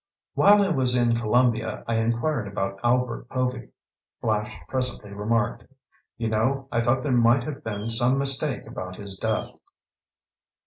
"While I was in Columbia I inquired about Albert Povy," Flash presently remarked. "You know, I thought there might have been some mistake about his death."